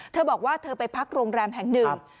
เธอบอกว่าเธอไปพักโรงแรมแห่งหนึ่ง